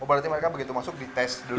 berarti mereka begitu masuk dites dulu